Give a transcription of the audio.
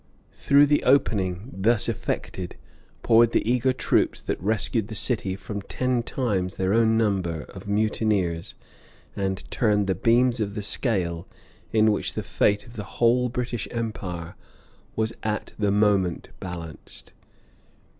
Through the opening thus effected poured the eager troops that rescued the city from ten times their own number of mutineers and turned the beams of the scale in which the fate of the whole British Indian Empire was at the moment balanced.